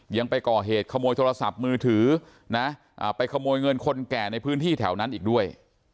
ยังไปก่อเหตุขโมยโทรศัพท์มือถือนะไปขโมยเงินคนแก่ในพื้นที่แถวนั้นอีกด้วย